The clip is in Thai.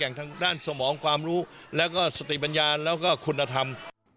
ทางด้านสมองความรู้แล้วก็สติปัญญาแล้วก็คุณธรรม